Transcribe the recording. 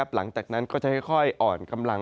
หลังจากนั้นก็จะค่อยอ่อนกำลัง